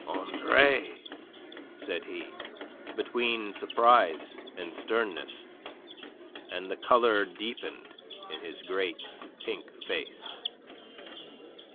"Andre!" said he, between surprise and sternness; and the colour deepened in his great pink face.